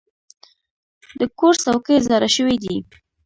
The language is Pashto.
د کور څوکۍ زاړه شوي دي.